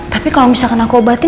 tapi kalau misalkan aku obatin